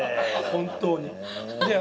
本当に。